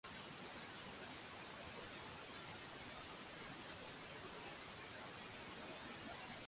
If both pieces give check, a double check results.